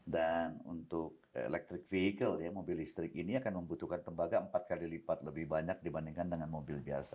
dan untuk electric vehicle mobil listrik ini akan membutuhkan tembaga empat kali lipat lebih banyak dibandingkan dengan mobil biasa